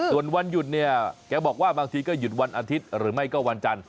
ส่วนวันหยุดเนี่ยแกบอกว่าบางทีก็หยุดวันอาทิตย์หรือไม่ก็วันจันทร์